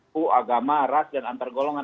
pu agama ras dan antar golongan